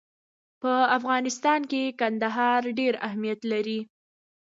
په افغانستان کې کندهار ډېر اهمیت لري.